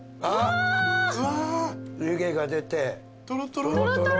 湯気が出て。